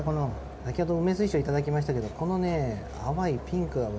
先ほど梅水晶いただきましたけどこのね淡いピンクがね